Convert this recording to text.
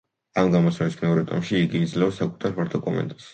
ამ გამოცემის მეორე ტომში იგი იძლევა საკუთარ ფართო კომენტარს.